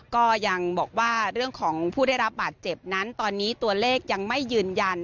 ก็ยังบอกว่าเรื่องของผู้ได้รับบาดเจ็บนั้นตอนนี้ตัวเลขยังไม่ยืนยัน